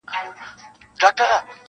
• په لمنو کي د غرونو بس جونګړه کړو ودانه -